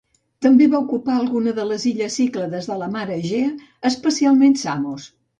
També va ocupar algunes de les illes Cíclades de la mar Egea, especialment Samos.